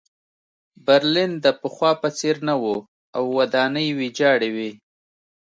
برلین د پخوا په څېر نه و او ودانۍ ویجاړې وې